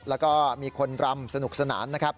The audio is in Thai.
แล้วก็มีคนดรำสนุกสนาน